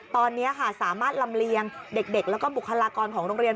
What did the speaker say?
ตอนนี้สามารถลำเลียงเด็กแล้วก็บุคลากรของโรงเรียน